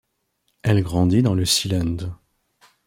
Elle grandit dans le Seeland.